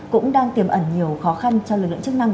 cũng đang tiềm ẩn nhiều khó khăn cho lực lượng chức năng